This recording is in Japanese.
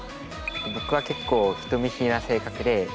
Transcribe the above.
僕は結構人見知りな性格で。